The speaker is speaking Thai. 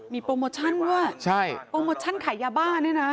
มีโปรโมชั่นด้วยโปรโมชั่นขายยาบ้าเนี่ยนะ